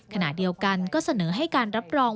ขณะเดียวกันก็เสนอให้การรับรอง